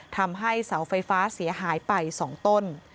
ทำให้เสาไฟฟ้าเสียหายไป๒ต้น